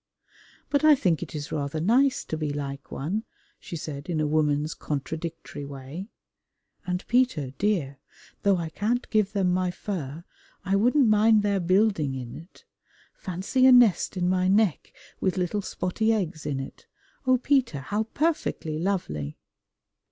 "But I think it is rather nice to be like one," she said in a woman's contradictory way. "And, Peter, dear, though I can't give them my fur, I wouldn't mind their building in it. Fancy a nest in my neck with little spotty eggs in it! Oh, Peter, how perfectly lovely!"